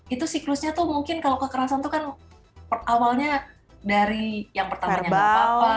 itu siklusnya tuh mungkin kalau kekerasan itu kan awalnya dari yang pertamanya nggak apa apa